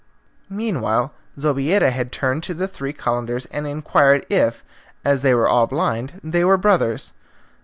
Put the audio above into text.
Meanwhile Zobeida had turned to the three Calenders and inquired if, as they were all blind, they were brothers.